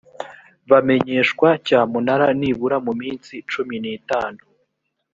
bamenyeshwa cyamunara nibura mu minsi cumi n’itanu